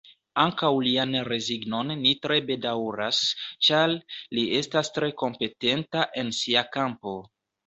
Ankaŭ lian rezignon ni tre bedaŭras, ĉar li estas tre kompetenta en sia kampo.